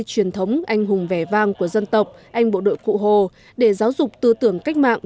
truyền thống anh hùng vẻ vang của dân tộc anh bộ đội cụ hồ để giáo dục tư tưởng cách mạng